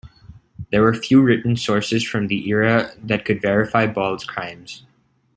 There were few written sources from the era which could verify Ball's crimes.